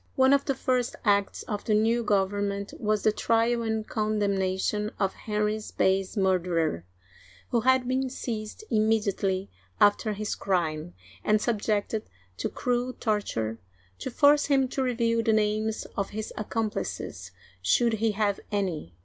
One of the first acts of the new government was the trial and condemnation of Henry's base murderer, who had been seized immediately after his crime, and subjected to cruel torture to force him to reveal the names of his ac complices, should he have any.